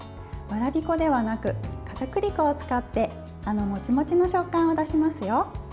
わらび粉ではなくかたくり粉を使ってあのモチモチの食感を出しますよ。